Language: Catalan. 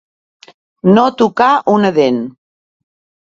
No tocar una dent.